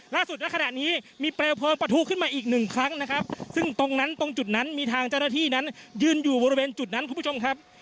ณขณะนี้มีเปลวเพลิงประทุขึ้นมาอีกหนึ่งครั้งนะครับซึ่งตรงนั้นตรงจุดนั้นมีทางเจ้าหน้าที่นั้นยืนอยู่บริเวณจุดนั้นคุณผู้ชมครับ